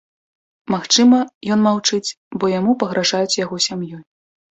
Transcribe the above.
Магчыма, ён маўчыць, бо яму пагражаюць яго сям'ёй.